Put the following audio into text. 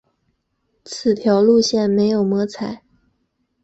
此条路线没有摸彩